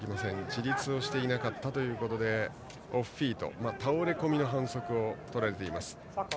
自立をしていなかったということでオフフィート倒れ込みの反則です。